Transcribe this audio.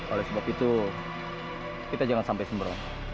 oleh sebab itu kita jangan sampai sembro